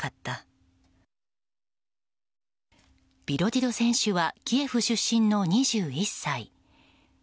ビロディド選手はキエフ出身の２１歳。